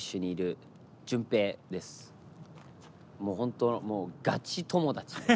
もう本当のもうガチ友達です。